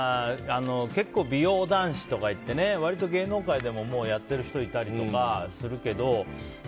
結構、美容男子とかいって割と芸能界でもやってる人いたりとかするけど。